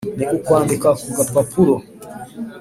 ni ukwandika ku gapapuro